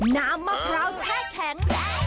น้ำมะพร้าวแช่แข็ง